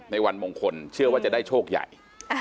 ในวันมงคลเชื่อว่าจะได้โชคใหญ่